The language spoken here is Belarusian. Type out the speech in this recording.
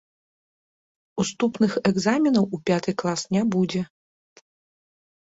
Уступных экзаменаў у пяты клас не будзе.